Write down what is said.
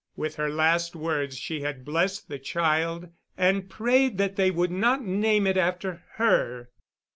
With her last words she had blessed the child and prayed that they would not name it after her.